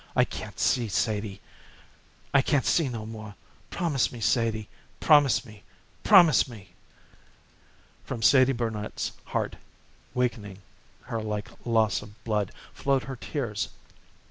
I can't see; Sadie, I can't see no more. Promise me, Sadie, promise me, promise me!" From Sadie Barnet's heart, weakening her like loss of blood, flowed her tears.